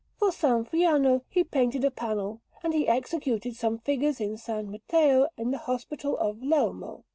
For S. Friano he painted a panel; and he executed some figures in S. Matteo at the Hospital of Lelmo.